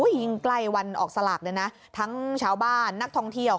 ยิ่งใกล้วันออกสลากเลยนะทั้งชาวบ้านนักท่องเที่ยว